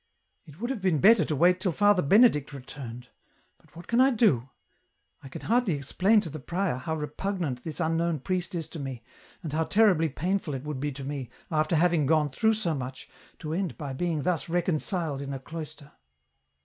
" It would have been better to wait till Father Benedict returned — but what can I do ? I can hardly explain to the prior how repugnant this unknown priest is to me, and how terribly painful it would be to me, after having gone through so much, to end by being thus reconciled in a cloister."